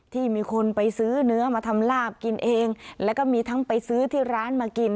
ที่มีคนไปซื้อเนื้อมาทำลาบกินเองแล้วก็มีทั้งไปซื้อที่ร้านมากิน